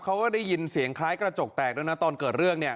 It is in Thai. เขาก็ได้ยินเสียงคล้ายกระจกแตกด้วยนะตอนเกิดเรื่องเนี่ย